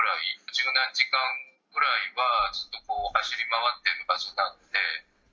十何時間ぐらいは、ずっと走り回っているはずなので。